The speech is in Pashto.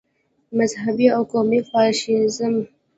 مذهبي او قومي فاشیزم.